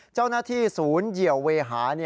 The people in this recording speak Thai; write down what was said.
เจ้าหน้าที่ศูนย์เหยียวเวหา